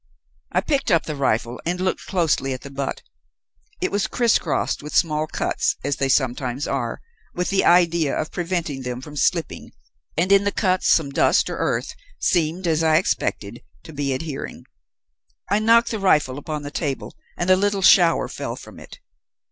I picked up the rifle, and looked closely at the butt; it was criss crossed with small cuts, as they sometimes are, with the idea of preventing them from slipping, and in the cuts some dust, or earth, seemed, as I expected, to be adhering. I knocked the rifle upon the table, and a little shower fell from it.